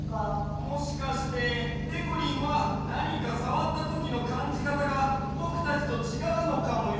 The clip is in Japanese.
もしかしてでこりんはなにかさわったときのかんじかたがぼくたちとちがうのかもよ。